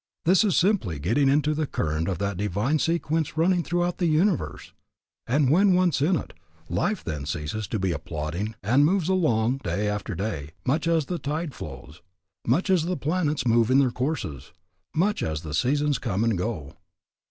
This is simply getting into the current of that divine sequence running throughout the universe; and when once in it, life then ceases to be a plodding and moves along day after day much as the tides flow, much as the planets move in their courses, much as the seasons come and go.